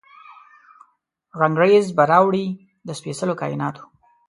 رنګریز به راوړي، د سپیڅلو کائیناتو،